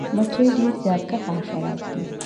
مچۍ ډیر زیارکښه حشرات دي